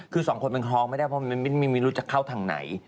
คือสองคนมันคล้องไม่ได้เพราะมันไม่รู้จะเข้าทางไหน